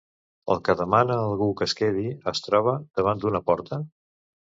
El que demana a algú que es quedi es troba davant d'una porta?